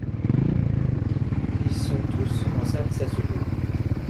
Ils sont tous en service à ce jour.